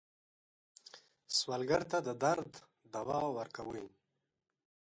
سوالګر ته د درد دوا ورکوئ